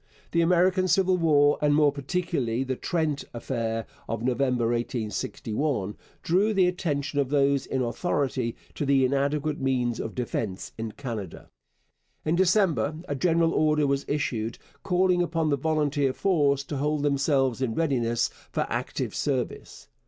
The American Civil War, and more particularly the Trent affair of November 1861, drew the attention of those in authority to the inadequate means of defence in Canada. In December a general order was issued calling upon the volunteer force to hold themselves in readiness for active service.